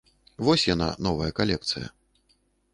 Вось яна, новая калекцыя.